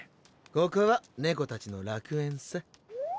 ここは猫たちの楽園さ。